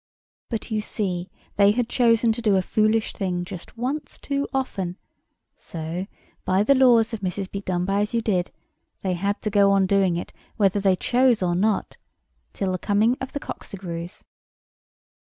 But you see, they had chosen to do a foolish thing just once too often; so, by the laws of Mrs. Bedonebyasyoudid, they had to go on doing it whether they chose or not, till the coming of the Cocqcigrues.